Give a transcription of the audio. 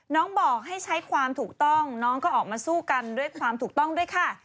น้องบอกให้ใช้ความถูกต้องน้องก็ออกมาสู้กันด้วยความถูกต้องด้วยค่ะ